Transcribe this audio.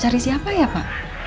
cari siapa ya pak